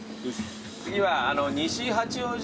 次は。